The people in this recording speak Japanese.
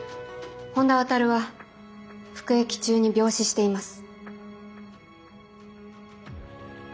本田亘は服役中に病死しています。